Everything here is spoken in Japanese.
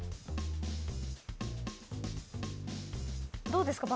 どうですか？